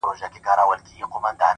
• نور په داسي ظالمانو زړه ښه نه کړئ,